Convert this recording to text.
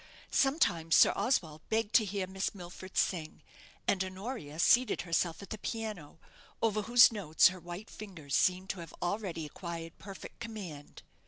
Sometimes Sir Oswald begged to hear Miss Milford sing, and Honoria seated herself at the piano, over whose notes her white fingers seemed to have already acquired perfect command.